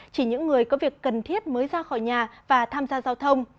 chỉ những người có việc cần thiết mới ra khỏi nhà và tham gia giao thông